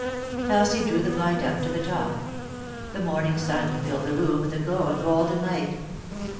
Elsie drew the blind up to the top ; the morning sun filled the room with a glow of golden tight.